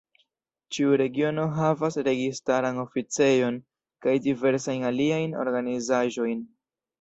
Ĉiu regiono havas registaran oficejon kaj diversajn aliajn organizaĵojn.